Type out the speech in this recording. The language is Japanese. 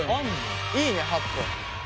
いいね８分。